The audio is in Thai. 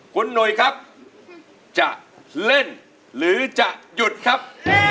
คุณหนุ่ยครับจะเล่นหรือจะหยุดครับ